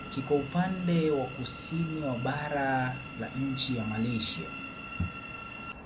Kiko upande wa kusini wa bara la nchi ya Malaysia.